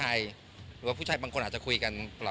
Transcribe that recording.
มีผู้ชายผู้ชายบางคนจะคุยกัน